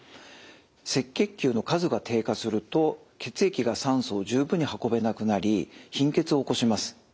赤血球の数が低下すると血液が酸素を十分に運べなくなり貧血を起こします。